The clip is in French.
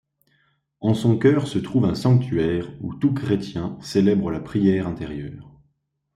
En son cœur se trouve un sanctuaire où tout chrétien célèbre la prière intérieure.